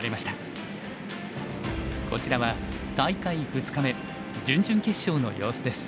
こちらは大会２日目準々決勝の様子です。